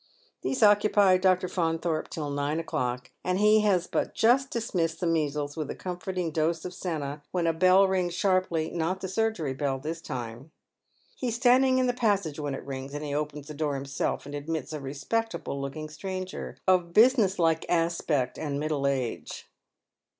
These occupy Dr. Faunthoi pe till nine o'clock, and he has but just dismissed the measles with a comforting dose of senna when a bell rings eharply — not the surgery bell this time. He is standing in the passage when it lings, and he open the door himself, and admits a rc^peo table looking stranger, of business like aspect aj>4 middle age.